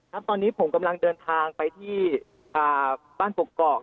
ครับตอนนี้ผมกำลังเดินทางไปที่บ้านกกอก